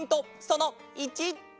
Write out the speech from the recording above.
その１！